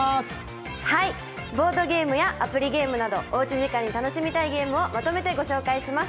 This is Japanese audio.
ボードゲームやアプリゲームなどおうち時間に楽しみたいゲームをまとめてご紹介します。